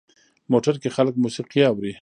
موټر کې خلک موسیقي اوري.